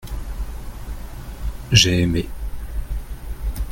J’ai aimé.